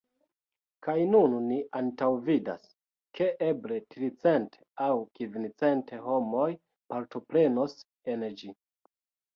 Kaj nun ni antaŭvidas, ke eble tricent aŭ kvincent homoj partoprenos en ĝi.